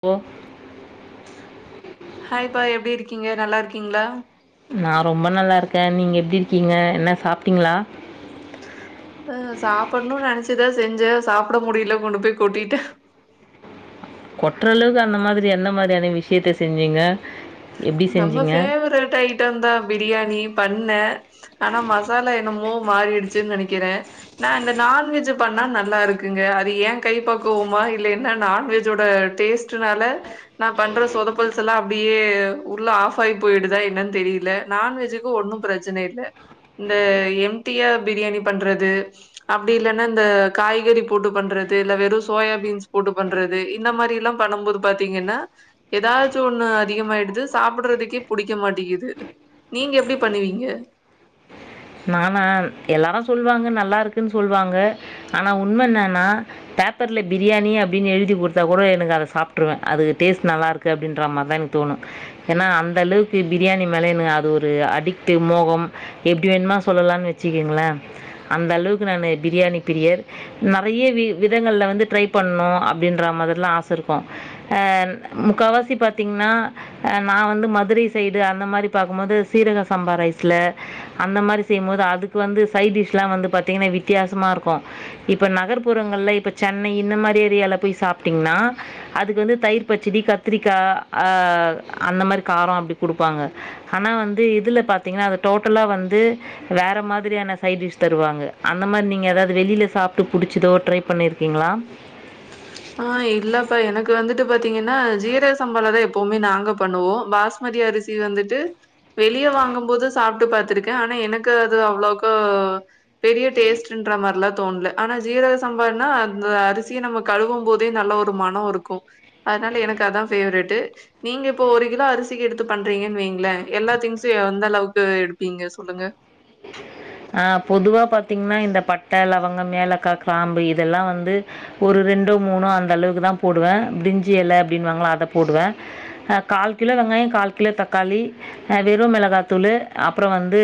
போ ஹாய் பா எப்டி இருக்கீங்க நல்லா இருக்கீங்களா நான் ரொம்ப நல்லாருக்கேன் நீங்க எப்டி இருக்கீங்க என்ன சாப்பிட்டீங்களா அ சாப்புட்ணும்னு நெனைச்சிதான் செஞ்சேன் சாப்புட முடில கொண்டு போய் கொட்டிட்டேன் கொற்றளவுக்கு அந்த மாதிரி என்ன மாரியான விஷயத்த செஞ்சீங்க எப்படி நம்ம செஞ்சீங்க ஃபேவ்ரட் ஐட்டம் தான் பிரியாணி பண்ணேன் ஆனா மசாலா என்னமோ மாறிடுச்சுன்னு நெனைக்கிறேன் நான் இந்த நான்வெஜ்ஜு பண்ணா நல்லா இருக்குங்க அது ஏன் கைப்பக்குவமா இல்ல என்னா நான்வெஜ்ஜோட டேஸ்ட்டுனால நான் பண்ற சொதப்பல்சல்லா அப்டியே உள்ள ஆஃப் ஆகி போயி்டுதா என்னன்னு தெரில நான்வெஜ்ஜுக்கு ஒன்னும் பிரச்சன இல்ல இந்த எம்ட்டியா பிரியாணி பண்றது அப்டி இல்லன்னா இந்த காய்கறி போட்டு பண்றது இல்ல வெறும் சோயா பீன்ஸ் போட்டு பண்றது இந்த மாரில்லா பண்ணம்போது பாத்தீங்கன்னா எதாச்சும் ஒண்ணு அதிகமாயிடுது சாப்புட்றதுக்கே புடிக்க மாட்டிக்குது நீங்க எப்டி பண்ணுவீங்க நானா எல்லாரும் சொல்வாங்க நல்லா இருக்குன்னு சொல்வாங்க ஆனா உண்மன்னன்னா பேப்பர்ல பிரியாணி அப்டின்னு எழுதி குடுத்தா கூட எனக்கு அத சாப்ட்ருவேன் அதுக்கு டேஸ்ட் நல்லா இருக்கு அப்டின்ற மாரிதான் எனக்கு தோணும் ஏன்னா அந்த அளவுக்கு பிரியாணி மேல எனக்கு அது ஒரு அடிக்ட்டு மோகம் எப்டி வேணுமா சொல்லலானு வெச்சுக்குங்களேன் அந்த அளவுக்கு நானு பிரியாணி பிரியர் நறைய வி விதங்கள்ல வந்து ட்ரை பண்னும் அப்டின்ற மாதிரிலாம் ஆசை இருக்கும் ஆ முக்கவாசி பாத்தீங்கன்னா அ நான் வந்து மதுரை சைடு அந்த மாரி பாக்கும்போது சீரக சாம்பா ரைஸ்ல அந்த மாரி செய்யும்போது அதுக்கு வந்து சைடிஷ்லாம் வந்து பாத்தீங்கன்னா வித்தியாசமா இருக்கும் இப்போ நகர்ப்புறங்கள்ல இப்போ சென்னை இந்த மாரி ஏரியால போய் சாப்ட்டிங்கன்னா அதுக்கு வந்து தயிர் பச்சிடி கத்திரிக்காய் அ அந்த மாரி காரம் அப்டி குடுப்பாங்க ஆனா வந்து இதுல பாத்தீங்கன்னா அது டோட்டலா வந்து வேற மாதிரியான சைடிஷ் தருவாங்க அந்த மாரி நீங்க எதாவது வெளியில சாப்ட்டு புடிச்சுதோ ட்ரை பண்ணிருக்கீங்களா ஆ இல்லப்பா எனக்கு வந்துட்டு பாத்தீங்கன்னா ஜீரக சம்பாளதான் எப்பவுமே நாங்க பண்ணுவோம் பாஸ்மதி அரிசி வந்துட்டு வெளிய வாங்கும்போது சாப்ட்டு பாத்துருக்கேன் ஆனா எனக்கு அது அவ்ளோக்கா பெரிய டேஸ்ட்டுன்ற மாரிலாம் தோண்ல ஆனா ஜீரக சம்பான்னா அந்த அரிசிய நம்ம கழுவும் போதே நல்ல ஒரு மணம் இருக்கும் அதனால எனக்கு அதான் ஃபேவரேட்டு் நீங்க இப்போ ஒரு கிலோ அரிசிக்கெடுத்து பண்றீங்கன்னு வைங்களேன் எல்லா திங்ஸுயும் எந்த அளவுக்கு எடுப்பீங்க சொல்லுங்க ஆ பொதுவா பாத்தீங்கன்னா இந்த பட்ட, லவங்கம், ஏலக்காய், கிராம்பு இதெல்லாம் வந்து ஒரு ரெண்டோ மூணோ அந்த அளவுக்கு தான் போடுவேன் பிரிஞ்சி எல அப்டினுவாங்கல்ல அத போடுவேன் அ கால் கிலோ வெங்காயம் கால் கிலோ தக்காளி ஆ வெறும் மெளகாத்தூளு அப்புறம் வந்து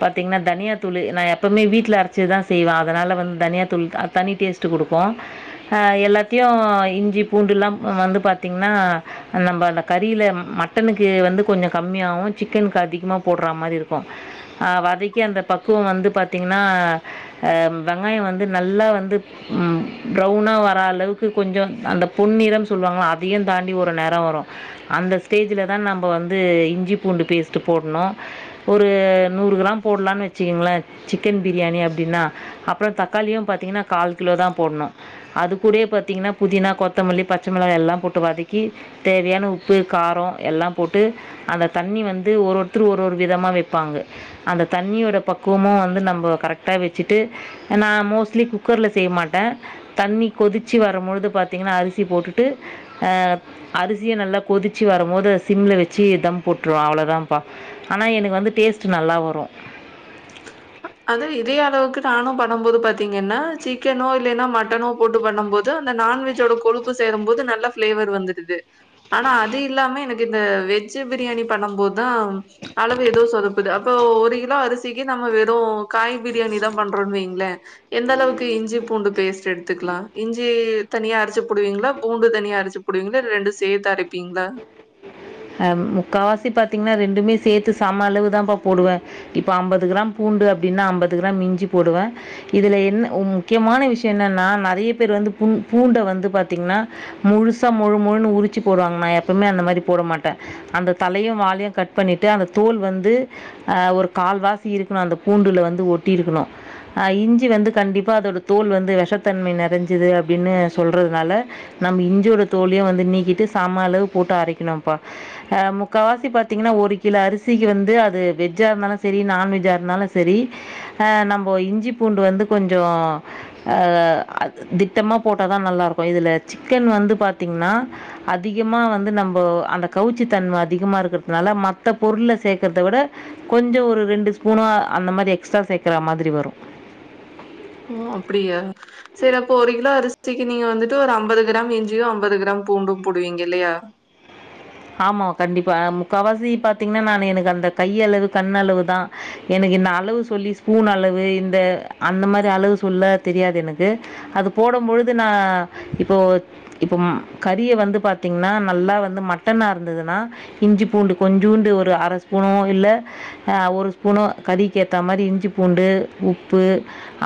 பாத் தீங்கன்னா தனியா தூளு நான் எப்பவுமே வீட்ல அரைச்சது தான் செய்வேன் அதனால வந்து தனியா தூள் அத் தனி டேஸ்ட்டு குடுக்கும் அ எல்லாத்தையும் இஞ்சி பூண்டுலாம் வந்து பாத்தீங்கன்னா நம்ம அந்த கறில மட்டனுக்கு வந்து கொஞ்சம் கம்மியாவும் சிக்கனுக்கு அதிகமா போடுற மாரி இருக்கும் ஆ வதக் க்கி அந்த பக்குவம் வந்து பாத்தீங்கன்னா ஆ வெங்காயம் வந்து நல்லா வந்து ம் ப்ரௌனா வர அளவுக்கு கொஞ்சம் அந்த பொன்னிறம் சொல்லுவாங்கல்ல அதையும் தாண்டி ஒரு நெறம் வரும் அந்த ஸ்டேஜில தான் நம்ப வந்து இஞ்சி பூண்டு பேஸ்ட்டு போட்ணும் ஒரு நூறு கிராம் போட்லான்னு வச்சுக்கோங்களேன் சிக்கன் பிரியாணி அப்டின்னா அப்புறம் தக்காளியும் பாத்தீங்கன்னா கால் கிலோ தான் போட்ணும் அது கூடயே பாத்தீங்கன்னா புதினா கொத்தமல்லி பச்சை மிளகா எல்லாம் போட்டு வதக்கி தேவையான உப்பு காரோ எல்லாம் போட்டு அந்த தண்ணி வந்து ஒரு ஒருத்தரு ஒரு ஒரு விதமா வெப்பாங்க அந்த தண்ணியோட பக்குவமும் வந்து நம்ப கரெக்ட்டா வெச்சுட்டு நான் மோஸ்ட்லி குக்கர்ல செய்ய மாட்ட தண்ணி கொதிச்சு வரும்பொழுது பாத்தீங்கன்னா அரிசி போட்டுட்டு ஆ அரிசிய நல்லா கொதிச்சு வரும் போது சிம்ல வெச்சி தம் போட்ருவே அவ்ளோதான்ப்பா ஆனா எனக்கு வந்து டேஸ்ட்டு நல்லா வ ரோ அது இதே அளவுக்கு நானோ பண்ணம்போது பாத்தீங்கன்னா சிக்கனோ இல்லன்னா மட்டனோ போட்டு பண்ணும்போது அந்த நான்வெஜ்ஜோட கொழுப்பு சேரும் போது நல்ல ஃபிளேவர் வந்துடுது ஆனா அது இல்லாம எனக்கு இந்த வெஜ்ஜு பிரியாணி பண்ணும் போதுதா அளவு ஏதோ சொதப்புது அப்போ ஒரு கிலோ அரிசி இப்பத்திக்கி நம்ம வெறோ காய் பிரியாணிதா பண்றோனு வெய்ங்களே எந்த அளவுக்கு இஞ்சி பூண்டு பேஸ்ட் எடுத்துக்கலா இஞ்சி தனியா அரச்சு போடுவீங்களா பூண்டு தனியா அரச்சு போடுவீங்களா இல்ல ரெண்டு சேர்த்து அரைப்பீங்களா ஹ முக்காவாசி பாத்தீங்கன்னா ரெண்டுமே சேர்த்து சம அளவுதான்ப்பா போடுவ இப்போ அம்பது கிராம் பூண்டு அப்டீன்னா அம்பது கிராம் இஞ்சி போடுவ இதுல என்ன ஒ முக்கியமான விஷயோ என்னன்னா நறைய பேர் வந்து புண் பூண்ட வந்து பாத்தீங்கன்னா முழுசா மொழு மொழுனு உரிச்சு போடுவாங்க நான் எப்பவுமே அந்த மாரி போட மாட் டேன் அந்த தலையு வாலையோ கட் பண்ணிட்டு அந்த தோல் வந்து அ ஒரு கால்வாசி இருக்கணோ அந்த பூண்டுல வந்து ஒட்டி இருக்கணோ ஆ இஞ்சி வந்து கண்டிப்பா அதோட தோல் வந்து விஷத்தன்மை நெறஞ்சது அப்டின்னு சொல்றதுனால நம்ம இஞ்சியோட தோலையும் வந்து நீக்கிட்டு சம அளவு போட்டு அரைக்கணும்ப்பா அ முக்காவாசி பாத்தீங்கன்னா ஒரு கிலோ அரிசிக்கு வந்து அது வெஜ்ஜா இருந்தாலு செரி நான்வெஜ்ஜா இருந்தாலு செரி ஆ நம்ம இஞ்சி பூண்டு வந்து கொஞ்சோ அ அது திட்டமா போட்டாதா நல்லாருக்கோ இதுல சிக்கன் வந்து பாத்தீங்கன்னா அதிகமா வந்து நம்போ அந்த கவுச்சித் தன்மை அதிகமா இருக்கிறதுனால மத்த பொருள்ல சேர்க்கறத விட கொஞ்சோ ஒரு ரெண்டு ஸ்பூணு அந்த மாரி எக்ஸ்ட்ரா சேர்க்கற மாதிரி வரோ ஓ அப்டியா சேரி அப்போ ஒரு கிலோ அரிசிக்கு நீங்க வந்துட்டு ஒரு அம்பது கிராம் இஞ்சியும் அம்பது கிராம் பூண்டும் போடுவீங்க இல்லையா ஆமா கண்டிப்பா முக்காவாசி பாத்தீங்கன்னா நானு எனக்கு அந்த கைய்யளவு கண்ணளவுதா எனக்கு இந்த அளவு சொல்லி ஸ்பூன் அளவு இந்த அந்த மாரி அளவு சொல்ல தெரியாது எனக்கு அது போடும்பொழுது நான் இப்போ இப்பம் கறிய வந்து பாத்தீங்கன்னா நல்லா வந்து மட் டனா இருந்ததுன்னா இஞ்சி பூண்டு கொஞ்சூண்டு ஒரு அரை ஸ்பூணோ இல்ல அன் ஒரு ஸ்பூணோ கறிக்கு ஏத்தா மாரி இஞ்சி பூண்டு உப்பு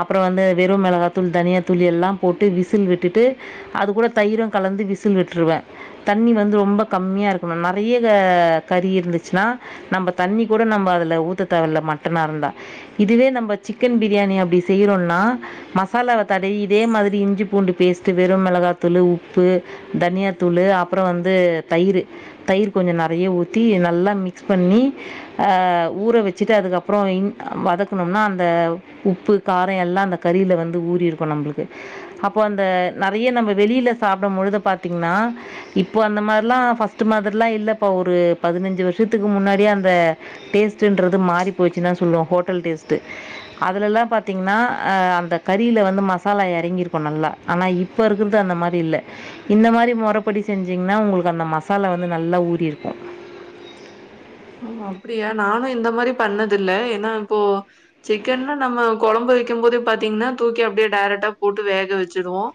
அப்புறோ வந்து வெறு மிளகாய் தூள் தனியாத்தூள் எல்லாம் போட்டு விசில் விட்டுட்டு அது கூட தயிரோ கலந்து விசில் விட்டுருவேன் தண்ணி வந்து ரொம்ப கம்மியா இருக்கணோ நறைய கறி இருந்துச்சுன்னா நம்ம தண்ணி கூட நம்ம அதுல ஊத்த தேவயில்ல மட்டனாருந்தா இதுவே நம்ம சிக்கன் பிரியாணி அப்டி செய்யிறோம்னா மசாலாவை தடவி இதே மாதிரி இஞ்சி பூண்டு பேஸ்ட்டு வெறும் மிளகாத்தூளு உப்பு தனியாத்தூளு அப்புறோ வந்து தயிரு தயிர் கொஞ்சோ நெறைய ஊத்தி நல்லா மிக்ஸ் பண்ணி ஹ ஊற வெச்சுட்டு அதுக்கப்புறோ இங் வதக்குணோம்னா அந்த உப்பு காரம் எல்லாம் அந்த கறில வந்து ஊறிருக்கும் நம்மளுக்கு அப்ப அந்த நெறைய நம்ம வெளில சாப்பிடம்பொழுது பாத்தீங்கன்னா இப்போ அந்த மாரி இப்பெல்லாம் ஃபர்ஸ்ட்டு மாதிரிலாம் இல்லப்பா ஒரு பதினஞ்சு வருஷத்துக்கு முன்னாடியே அந்த டேஸ்ட்டுன்றது மாறிப் போயிறுச்சினுதான் சொல்லுவோ ஹோட்டல் டேஸ்ட்டு அதுலலாம் பாத்தீங்கன்னா அந்த கறில வந்து மசாலா இறங்கிருக்கும் நல்லா ஆனா இப்ப இருக்கிறது அந்த மாரி இல்ல இந்த மாரி முறைப்படி செஞ்சீங்கன்னா உங்குளுக் கு அந்த மசாலா வந்து நல்லா ஊறிருக்கோ ஓ அப்டியா நானும் இந்த மாரி பண்ணதில்ல ஏன்னா இப்போ சிக்கன்னா நம்ம கொழம்பு வைக்கும் போதே பாத்தீங்கன்னா தூக்கி அப்டியே டேரக்ட்டா போட்டு வேக வச்சிருவோம்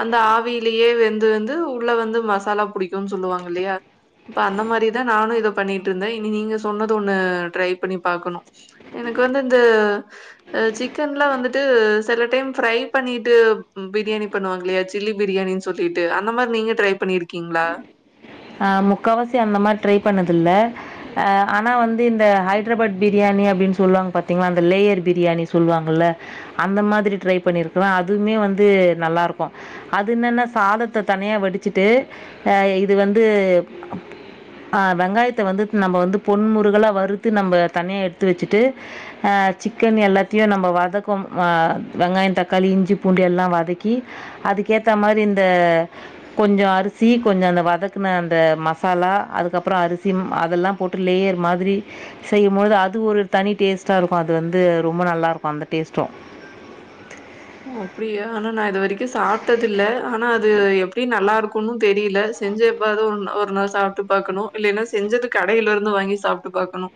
அந்த ஆவியிலேயே வெந்து வெந்து உள்ள வந்து மசாலா புடிக்கும்னு சொல்லுவாங்கல்லையா இப்ப அந்த மாரிதான் நானும் இத பண்ணிட்ருந்தே இனி நீங்க சொன்னது ஒண்ணு ட்ரை பண்ணி பாக்கணோ எனக்கு வந்து இந்த சிக்கன்லாம் வந்துட்டு சில டைம் ஃப்ரை பண்ணிட்டு பிரியாணி பண்ணுவாங்கல்லையா சில்லி பிரியாணின்னு சொல்லிட்டு அந்த மாரி நீங்க ட்ரை பண்ணிருக்கீங்களா ஹ முக்காவாசி அந்த மாதிரி ட்ரை பண்ணது இல்ல அ ஆனா வந்து இந்த ஹைதராபாத் பிரியாணி அப்படின்னு சொல்லுவாங்க பாத்தீங்களா அந்த லேயர் பிரியாணி சொல்லுவாங்கல்ல அந்த மாதிரி ட்ரை பண்ணிருக்கிற அதுமே வந்து நல்லா இருக்கும் அது என்னன்ன சாதத்தை தனியா வடிச்சுட்டு அ அது வந்து அ வெங்காயத்த வந்து நம்ம வந்து பொன்முருகலா வறுத்து நம்ம தனியாக எடுத்து வெச்சுட்டு அ சிக்கன் எல்லாத்தையும் நம்ம வதக்கும் அ வெங்காயம் தக்காளி இஞ்சி பூண்டு எல்லாம் வதக்கி அதுக்க ஏத்தா மாரி இந்த கொஞ்சோ அரிசி கொஞ்சோ அந்த வ தக்குன அந்த மசாலா அதுக்கப்புறோ அரிசி ம் அதெல்லாம் போட்டு லேயர் மாதிரி செய்யும்பொழுது அது ஒரு தனி டேஸ்ட்டாருக்கோ அது வந்து ரொம்ப நல்லாருக்கோ அந்த டேஸ்ட்டும் ஓ அப்டியா ஆனா நான் இது வெரிக் கோ சாப்ட்டது இல்ல ஆனா அது எப்டி நல்லா இருக் ன்னோ தெரியுல செஞ்செப்பாவது ஒருநா ஒரு நாள் சாப்ட்டு பாக்கணோ இல்லன்னா செஞ்சது கடையில இருந்து வாங்கி சாப்பிட்டு பாக்கணோ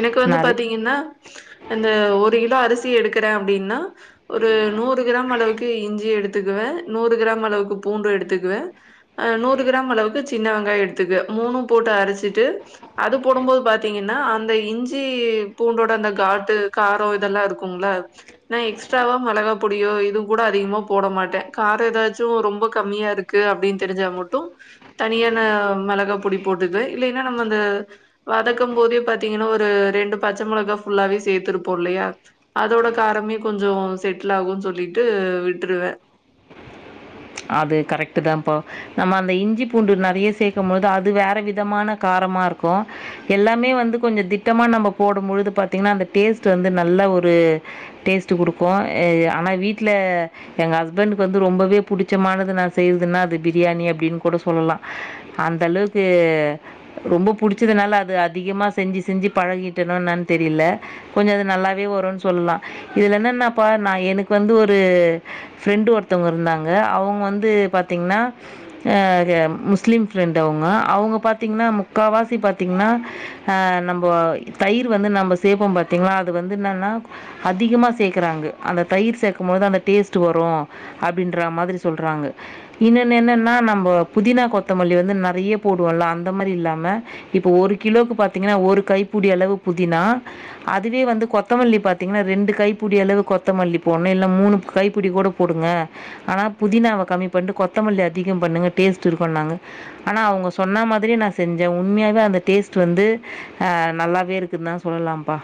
எனக்கு வந்து நிறை பாத்தீங்கன்னா அந்த ஒரு கிலோ அரிசி எடுக்குற அப்டீன்னா ஒரு நூறு கிராம் அளவுக்கு இஞ்சி எடுத்துக்குவே நூறு கிராம் அளவுக்கு பூண்டு எடுத்துக்குவே அ நூறு கிராம் அளவுக்கு சின்ன வெங்காயோ எடுத்துக்குவே மூணும் போட்டு அரச்சிட்டு அது போடும்போது பாத்தீங்கன்னா அந்த இஞ்சி பூண்டோட அந்த காட்டு காரம் இதெல்லா இருக்குங்கள நான் எக்ஸ் ஸ்ட்ராவா மிளகா பொடியோ இதுவும் கூட அதிகமா போட மாட்டேன் காரம் ஏதாச்சு ரொம்ப கம்மியா இருக்கு அப்படின்னு தெரிஞ்சா மட்டும் தனியான மிளகா பொடி போட்டுக்கு இல்லைன்னா நம்ம அந்த வதக்கும் போதே பார்த்தீங்கன்னா ஒரு ரெண்டு பச்சை மிளகாய் ஃபுல்லாவே சேர்த்துருப்போம் இல்லையா அதோட காரமே கொஞ்சம் கொஞ்சோ செட்லாகும்னு சொல்லிட்டு விட்ருவ அது கரெக்ட் தான்ப்பா நம்ம அந்த இஞ்சி பூண்டு நறைய சேர்க்கும் பொழுது அது வேற விதமான காரமா இருக்கோ எல்லாமே வந்து கொஞ்சோ திட்டமா நம்ம போடும்பழுது பாத்தீங்கன்னா அந்த டேஸ்ட் வந்து நல்ல ஒரு டேஸ்ட் குடுக்கு ஆனா வீட்ல எங்க ஹஸ்பண்டக்கு வந்து ரொம்பவே பிடிச்சமானது நான் செய்றதுன்னா அது பிரியாணி அப்டீன்னு கூட சொல்லலா அந்தளவுக்கு ரொம்போ பிடிச்சதுனால அது அதிகமா செஞ்சி செஞ்சி பழகிட்டனான்னு தெரியுல கொஞ்சோ இது நல்லாவே வரோன்னு சொல்லலா இதுல என்னனாப்பா நான் எனக்கு வந்து ஒரு ஃப்ரெண்டு ஒருத்தவுங்க இருந்தாங் க அவுங்க வந்து பாத்தீங்கன்னா அ எ முஸ்லீம் ஃப்ரெண்ட் அவுங்க அவுங்க பாத்தீங்கன்னா முக்காவாசி பாத்தீங்கனா அ நம்ம தயிரு வந்து நம்ம சேப்போ பாத்தீங்களா அது வந்து என்னானா அதிகமா சேக்குறாங்க அந்த தயிர் சேக்கும் போது அந்த டீஸ்ட் வரோ அப்டீன் றா மாதிரி சொல்றாங்க இன்னோன்னு என்னன்னா நம்ம புதினா கொத்தமல்லி வந்து நறைய போடுவோம்ல அந்த மாதிரி இல்லாம இப்ப ஒரு கிலோக்கு பாத்தீங்கனா ஒரு கைப்புடி அளவு புதினா அதுவே வந்து கொத்தமல்லி் பாத்தீங்கன்னா ரெண்டு கைப்புடி அளவு கொத்தமல்லி போடுனோ இல்ல மூணு கைப்புடி கூட போடுங்க ஆனா புதினாவ கம்மி பண்ணுட்டு கொத்தமல்லி அதிகம் பண்ணுங்க டேஸ்ட் இருக்கோன்னாங்க ஆனா அவுங்க சொன்ன மாதிரியே நான் செஞ்சே உண்மையாவே அந்த டேஸ்ட் வந்து ஆ நல்லாவே இருக்குதுதா சொல்லலாம்ப்பா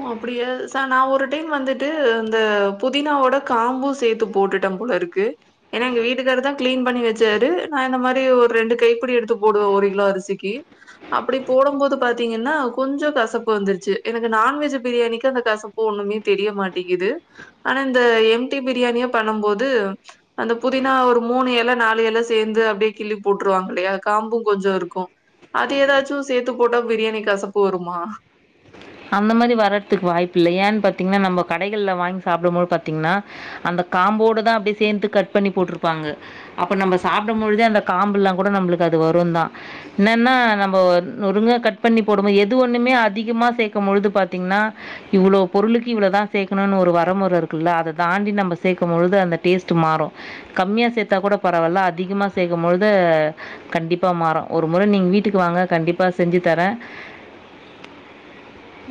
ஓ அப்புடியா சா நான் ஒரு டைம் வந்துட்டு இந்த புதினாவோட காம்பு சேர்த்து போட்டுட்ட போல இருக்கு ஏன்னா எங்க வீட்டுக்கார தா கிளீன் பண்ணி வெச்சாரு நான் இந்த மாரி அப்டி ஒரு ரெண்டு கைப்பிடி எடுத்து போடுவோம் ஒரு கிலோ அரிசிக்கு அப்புடி போடும் போது பாத்தீங்கன்னா கொஞ்சோ கசப்பு வந்துருச்சு எனக்கு நான்வெஜ் பிரியாணிக்கு அந்த கசப்பு ஒண்ணுமே தெரியமாட்டேங்குது ஆனா இந்த எம்டி பிரியாணியா பண்ணும் போது அந்த புதினா ஒரு மூணு இலை நாலு இலை சேர்ந்து அப்படியே கிள்ளி போட்டுருருவாங்க இல்லையா காம்பும் கொஞ்சம் இருக்கோ அது ஏதாச்சும் சேர்த்து போட்டா பிரியாணி கசப்பு வருமா அந்த மாரி வர்றதுக்கு வாய்ப்பு இல் ஏன்னு பாத்தீங்கன்னா நம்ம கடைகள்ல வாங்கி சாப்பிடும்பது பாத்தீங்கன்னா அந்த காம்போட தான் அப்படியே சேர்ந்து கட் பண்ணி போட்டிருப்பாங்க அப்ப நம்ம சாப்பிடும் பொழுத அந்த காம்பு எல்லாம் கூட நம்மளுக்கு அது வரும் தான் என்னன்னா நம்ம நங்கா கட் பண்ணி போடும் போது எது ஒண்ணுமே அதிகமா பொழுது பா்த்தீங்கன்னா இவ்வளோ பொருளுக்கு இவ்வளோதா சேர்க்கணும்னு ஒரு வரமுறை இருக்குல்ல அதை தாண்டி நம்ம சேர்க்கும் பொழுது அந்த டேஸ்ட் மாறும் கம்மியா சேர்த்தா கூட பரவாயில்ல அதிகமா சேர்க்கும் பொழுது கண்டிப்பா மாறும் ஒரு முறை நீங்க வீட்டுக்கு வாங்க கண்டிப்பா செஞ்சு தரே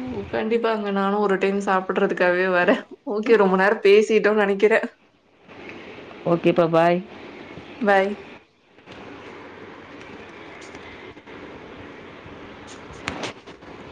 ஓ கண்டிப்பா அங்க நானும் ஒரு டைம் சாப்பிடுறதுக்காவே வரேன் ஓகே ரொம்ப நேரம் பேசிட்டோம் நெனைக்குறே ஓகேப்பா பாய் பாய்